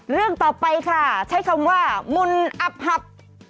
เรื่องต่อไปค่ะใช้คำว่ามุนอับหับ